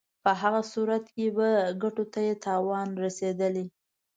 په هغه صورت کې به ګټو ته یې تاوان رسېدلی.